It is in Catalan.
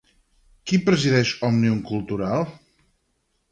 Qui presideix Òmnium Cultural?